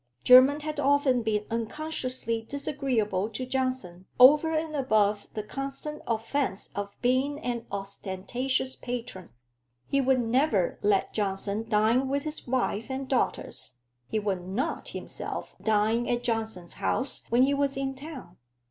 Jermyn had often been unconsciously disagreeable to Johnson, over and above the constant offence of being an ostentatious patron. He would never let Johnson dine with his wife and daughters; he would not himself dine at Johnson's house when he was in town.